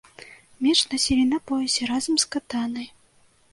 Меч насілі на поясе разам з катанай.